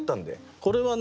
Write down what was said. これはね